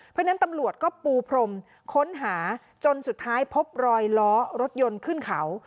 เพราะฉะนั้นตำรวจก็ปูพรมค้นหาจนสุดท้ายพบรอยล้อรถยนต์ขึ้นเขา